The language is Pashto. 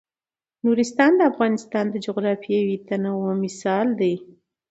نورستان د افغانستان د جغرافیوي تنوع مثال دی.